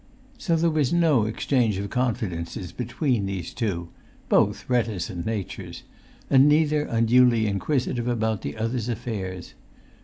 So there was no exchange of confidences between these two, both reticent natures, and neither unduly inquisitive about the other's affairs.